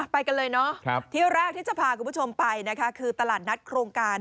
ไปกันเลยเนาะที่แรกที่จะพาคุณผู้ชมไปนะคะคือตลาดนัดโครงการ